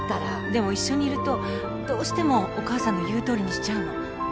でも一緒にいるとどうしてもお母さんの言うとおりにしちゃうの。